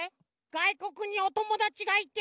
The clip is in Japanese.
がいこくにおともだちがいて。